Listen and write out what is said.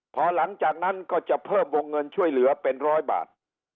พอหลังจากนั้นก็จะเพิ่มวงเงินช่วยเหลือเป็นร้อยบาท